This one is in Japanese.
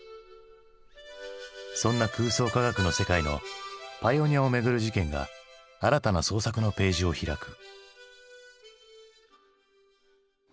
そんな空想科学の世界のパイオニアをめぐる事件が新たな創作のページを開く。